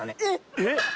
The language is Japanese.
えっ！